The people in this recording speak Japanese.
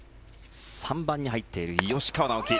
３番に入っている、吉川尚輝。